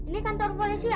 ini kantor polisi ya